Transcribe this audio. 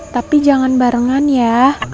tapi jangan barengan ya